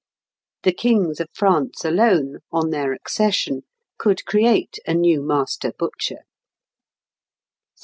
The Kings of France alone, on their accession, could create a new master butcher.